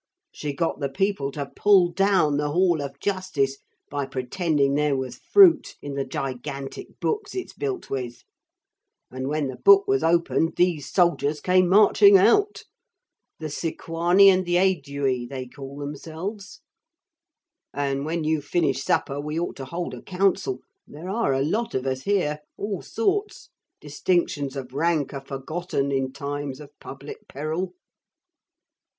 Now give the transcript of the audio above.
She got the people to pull down the Hall of Justice by pretending there was fruit in the gigantic books it's built with. And when the book was opened these soldiers came marching out. The Sequani and the Aedui they call themselves. And when you've finished supper we ought to hold a council. There are a lot of us here. All sorts. Distinctions of rank are forgotten in times of public peril.'